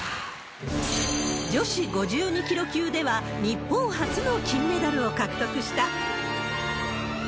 女子５２キロ級では、日本初の金メダルを獲得した。